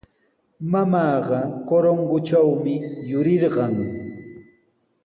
Mamaaqa Corongotrawmi yurirqan.